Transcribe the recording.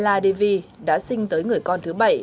từ năm một mươi bốn tuổi jamala devi đã sinh tới người con thứ bảy